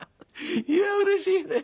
いやうれしいね」。